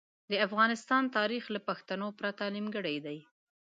د افغانستان تاریخ له پښتنو پرته نیمګړی دی.